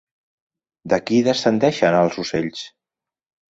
De qui descendeixen els ocells?